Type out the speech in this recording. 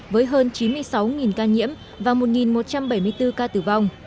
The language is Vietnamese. với hơn chín mươi sáu ca nhiễm và một một trăm bảy mươi bốn ca tử vong